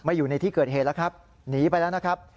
อยู่ในที่เกิดเหตุแล้วครับหนีไปแล้วนะครับ